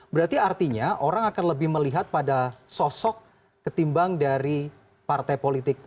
berarti artinya orang akan lebih melihat pada sosok ketimbang dari partai politik